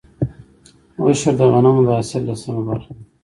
عشر د غنمو د حاصل لسمه برخه ده.